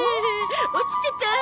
落ちてた！